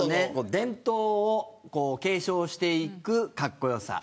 伝統を継承していく格好良さ。